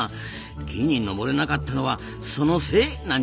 木に登れなかったのはそのせいなんじゃないですか？